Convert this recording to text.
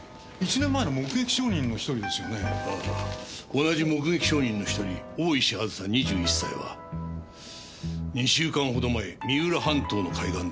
同じ目撃証人の１人大石あずさ２１歳は２週間ほど前三浦半島の海岸で溺死している。